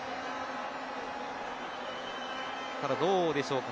ただ、どうでしょうか。